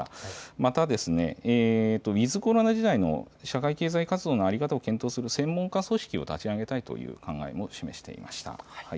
また、ウィズコロナ時代の社会経済活動の在り方を検討する専門家組織を立ち上げたいという考えも示していました。